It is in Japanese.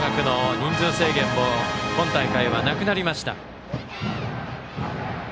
吹奏楽の人数制限も今大会はなくなりました。